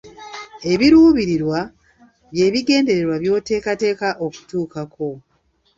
Ebiruubirirwa bye bigendererwa by'oteeketeeka okutuukako.